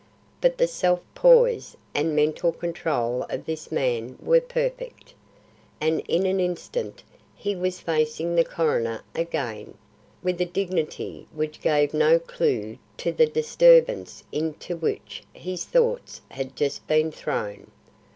But the self poise and mental control of this man were perfect, and in an instant he was facing the coroner again, with a dignity which gave no clew to the disturbance into which his thoughts had just been thrown.